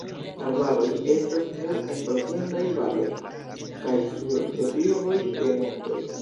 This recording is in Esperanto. Arbaroj estas nur en profundaj valoj kaj sur deklivoj de montoj.